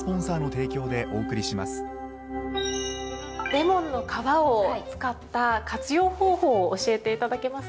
レモンの皮を使った活用方法を教えていただけますか？